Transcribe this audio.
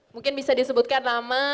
mungkin bisa disebutkan nama